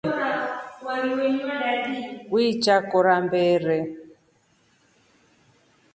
Uichi kora mbere?